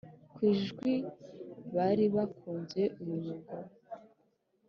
kwijwi baribakunze uyu mugore